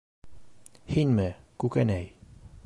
- Һинме, Күкәнәй?!